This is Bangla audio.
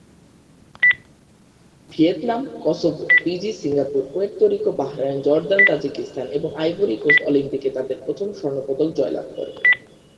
Vietnam, Kosovo, Fiji, Singapore, Puerto Rico, Bahrain, Jordan, Tajikistan এবং আইভরি কোস্ট অলিম্পিকে তাদের প্রথম স্বর্ণ পদক জয়লাভ করে।